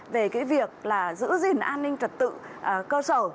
về cái việc là giữ gìn an ninh trật tự cơ sở